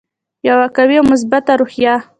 یوه قوي او مثبته روحیه.